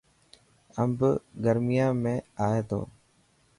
امب گر، يان ۾ ائي ٿو.